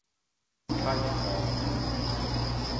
海岸